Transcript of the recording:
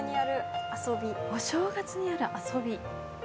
お正月にやる遊び？